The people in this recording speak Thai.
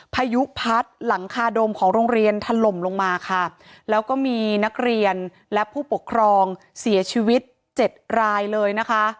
พายุพัดหลังคาโดมของโรงเรียนถล่มลงมาค่ะแล้วก็มีนักเรียนและผู้ปกครองเสียชีวิตเจ็ดรายเลยนะคะ